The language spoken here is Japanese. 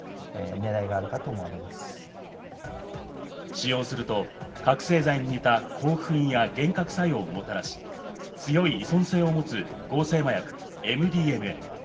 使用すると、覚醒剤に似た興奮や幻覚作用をもたらし、強い依存性を持たらす合成麻薬ＭＤＭＡ。